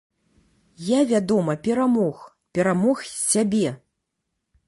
Я, вядома, перамог, перамог сябе.